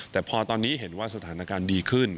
แต่พอตอนนี้เห็นว่าสถานการณ์ดีขึ้น